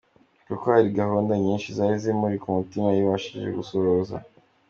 Koko hari gahunda nyinshi zari zimuri ku mutima yabashije gusohoza.